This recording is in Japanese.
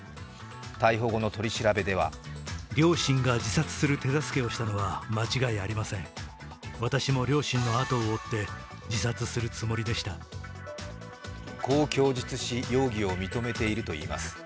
逮捕後の取り調べではこう供述し容疑を認めているといいます。